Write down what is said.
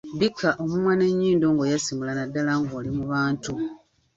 Bikka omumwa n’enyindo ng’oyasimula naddala ng’oli mu bantu.